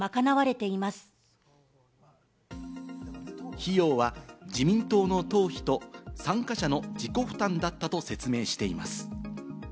費用は自民党の党費と参加者の自己負担だったと説明しています。